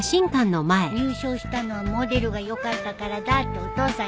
入賞したのはモデルがよかったからだってお父さん喜んでたよ。